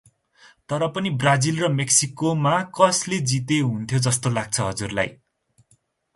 तर पनि, ब्राजिल र मेक्सिको मा कस्ले जिते हुन्थ्यो जस्तो लाग्छ हजुरलाई?